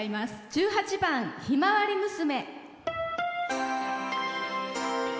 １８番「ひまわり娘」。